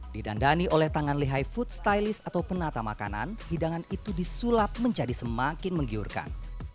didandani oleh tangan lihai food stylist atau penata makanan hidangan itu disulap menjadi semakin menggiurkan